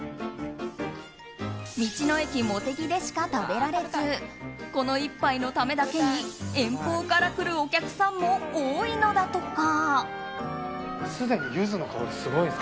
道の駅もてぎでしか食べられずこの一杯のためだけに遠方から来るお客さんも多いのだとか。